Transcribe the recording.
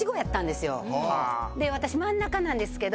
私真ん中なんですけど。